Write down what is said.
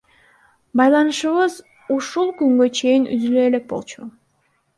Байланышыбыз ушул күнгө чейин үзүлө элек болчу.